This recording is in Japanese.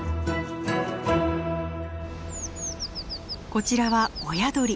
こちらは親鳥。